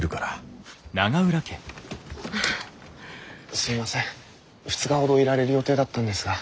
すいません２日ほどいられる予定だったんですが。